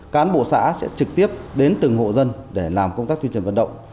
cán bộ xã sẽ trực tiếp đến từng hộ dân để làm công tác tuyên truyền vận động